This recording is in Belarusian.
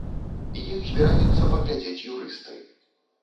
Іх збіраюцца паглядзець юрысты.